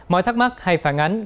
mọi thắc mắc hay phản ánh